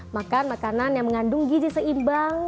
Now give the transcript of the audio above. makan makanan yang mengandung gizi seimbang